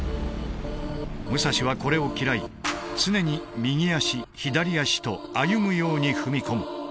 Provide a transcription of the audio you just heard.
武蔵はこれを嫌い常に右足左足と歩むように踏み込む。